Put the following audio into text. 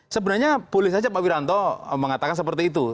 sebenarnya boleh saja pak wiranto mengatakan seperti itu